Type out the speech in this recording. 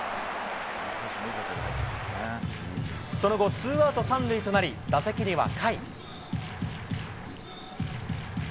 その後、ツーアウト３塁となり、打席には甲斐。